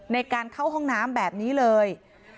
ในการเข้าห้องน้ำแบบนี้เลย